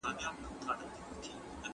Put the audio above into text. چې د خپل تیاره وطن کونجونه